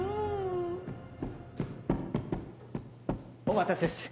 お待たせっす！